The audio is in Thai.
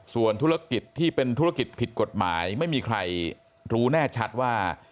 ส่วนธุรกิจที่เป็นธุรกิจผิดกฎหมายไม่มีใครรู้แน่ชัดว่า